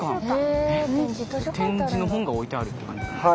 点字の本が置いてある感じですか？